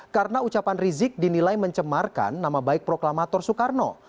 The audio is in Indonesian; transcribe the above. karena ucapan rizik dinilai mencemarkan nama baik proklamator soekarno